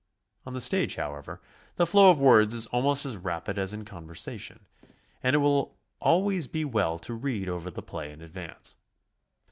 On the stage, however, the flow of words is almost as rapid as in conversation, and it will always be well to read over the play in advance.